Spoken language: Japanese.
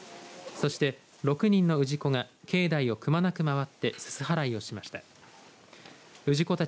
そして６人の氏子が境内をくまなく回ってすす払いをしました。